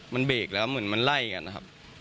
มันเบรกแล้วเหมือนมันไล่กันนะครับ